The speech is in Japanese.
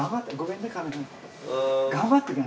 うん。頑張ってね。